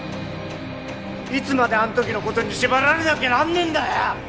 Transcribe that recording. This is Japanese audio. いつまであの時の事に縛られなきゃなんねえんだよ！